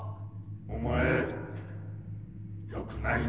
お前よくないねえ。